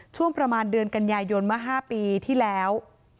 ช่วงประมาณเดือนกันยายนเมื่อ๕ปีที่แล้ว